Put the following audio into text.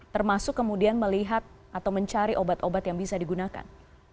termasuk kemudian melihat atau mencari obat obat yang bisa digunakan